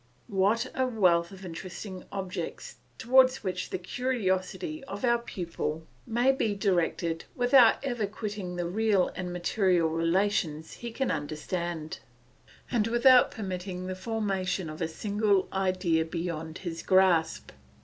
What a wealth of interesting objects, towards which the curiosity of our pupil may be directed without ever quitting the real and material relations he can understand, and without permitting the formation of a single idea beyond his grasp!